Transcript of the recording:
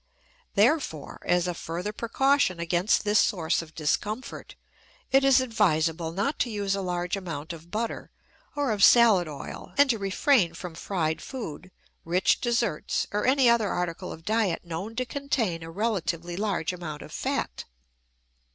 Therefore, as a further precaution against this source of discomfort, it is advisable not to use a large amount of butter or of salad oil, and to refrain from fried food, rich desserts, or any other article of diet known to contain a relatively large amount of fat.